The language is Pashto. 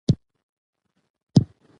چنګلونه د افغانستان د طبیعت د ښکلا برخه ده.